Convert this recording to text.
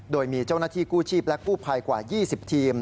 โดยมีเจ้าหน้าที่กู้ชีพและกู้ภัยกว่า๒๐ทีม